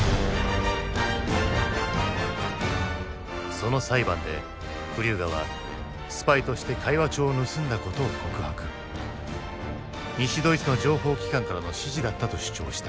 その裁判でクリューガはスパイとして会話帳を盗んだことを告白西ドイツの情報機関からの指示だったと主張した。